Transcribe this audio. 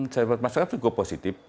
saya buat masyarakat cukup positif